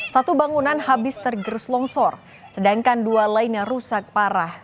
satu bangunan habis tergerus longsor sedangkan dua lainnya rusak parah